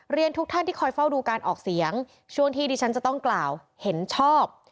ทุกท่านที่คอยเฝ้าดูการออกเสียงช่วงที่ดิฉันจะต้องกล่าวเห็นชอบ